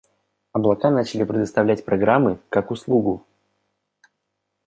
Облака начали предоставлять программы как услугу.